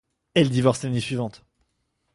Elle divorce l'année suivante.